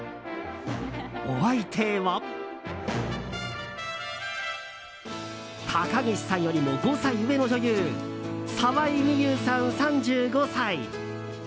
お相手は高岸さんよりも５歳上の女優沢井美優さん、３５歳。